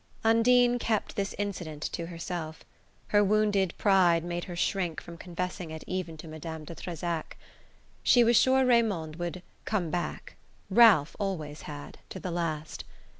Undine kept this incident to herself: her wounded pride made her shrink from confessing it even to Madame de Trezac. She was sure Raymond would "come back"; Ralph always had, to the last.